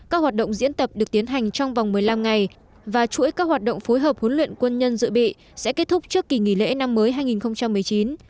các hoạt động diễn tập được tiến hành trong vòng một mươi năm ngày và chuỗi các hoạt động phối hợp huấn luyện quân nhân dự bị sẽ kết thúc trước kỳ nghỉ lễ năm mới hai nghìn một mươi chín